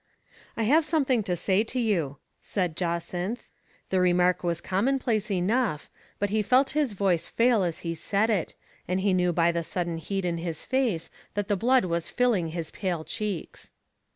" I have something to say to you," said Jacynth. The remark was commonplace enough, but he felt his voice fail as he said it, and he knew by the sudden heat in his face that the blood was filling his pale cheeks.